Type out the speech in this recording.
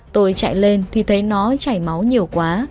tôi chạy lên thì thấy nó chảy máu nhiều quá